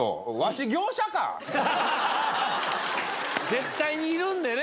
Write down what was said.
絶対にいるんだよね